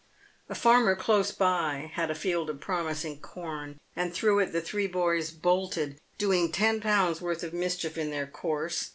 A farmer close by had a field of promising corn, and through it the three boys bolted, doing ten pounds' worth of mischief in their course.